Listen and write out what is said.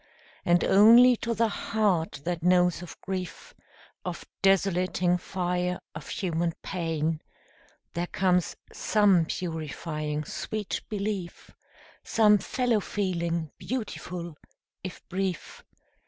And only to the heart that knows of grief, Of desolating fire, of human pain, There comes some purifying sweet belief, Some fellow feeling beautiful, if brief.